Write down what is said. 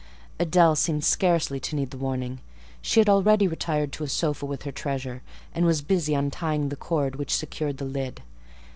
Adèle seemed scarcely to need the warning; she had already retired to a sofa with her treasure, and was busy untying the cord which secured the lid.